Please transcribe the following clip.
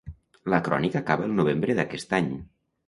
La crònica acaba el novembre d'aquest any.